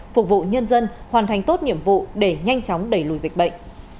phục vụ nhân dân hoàn thành tốt nhiệm vụ để nhanh chóng đẩy lùi dịch bệnh